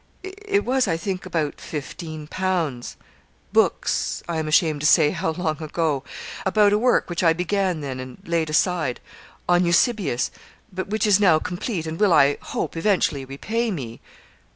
It was, I think, about fifteen pounds books I am ashamed to say how long ago; about a work which I began then, and laid aside on Eusebius; but which is now complete, and will, I hope, eventually repay me.'